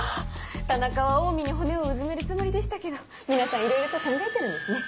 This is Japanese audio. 田中はオウミに骨をうずめるつもりでしたけど皆さんいろいろと考えてるんですね。